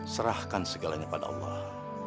serahkan segalanya pada allah